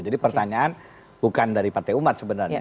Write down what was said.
jadi pertanyaan bukan dari partai umat sebenarnya